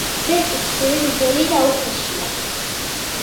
ბეწვი ხშირი, გრძელი და უხეშია.